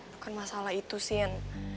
bukan masalah itu sien